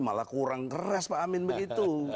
malah kurang keras pak amin begitu